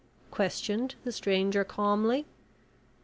questioned the stranger calmly.